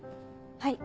はい。